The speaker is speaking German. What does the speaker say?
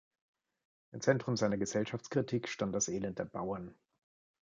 Im Zentrum seiner Gesellschaftskritik stand das Elend der Bauern.